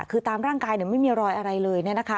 คือตามร่างกายเนี่ยไม่มีรอยอะไรเลยเนี่ยนะคะ